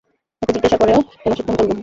তাকে জিজ্ঞেস করো, কেন সে খুন করল?